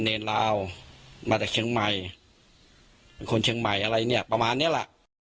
นั้นลัวมาแต่เชียงมันทำให้คนช่างหมายอะไรเนี่ยประมาณนี้ละ